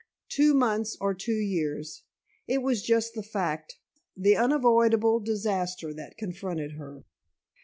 Two months or two years; it was just the fact, the unavoidable disaster that confronted her.